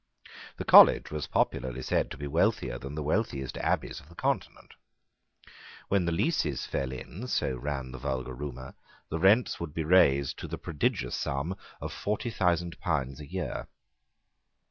The college was popularly said to be wealthier than the wealthiest abbeys of the Continent. When the leases fell in, so ran the vulgar rumour, the rents would be raised to the prodigious sum of forty thousand pounds a year.